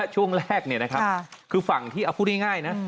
ช่วงแรกคือฝั่งที่เอาพูดง่ายนะ